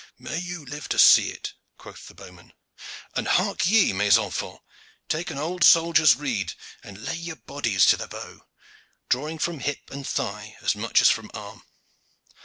"May you live to see it," quoth the bowman. "And hark ye, mes enfants, take an old soldier's rede and lay your bodies to the bow, drawing from hip and thigh as much as from arm.